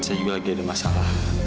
saya juga lagi ada masalah